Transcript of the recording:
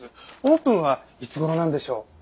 オープンはいつ頃なんでしょう？